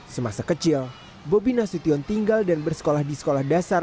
semasa kecil bobi nasution tinggal dan bersekolah di sekolah dasar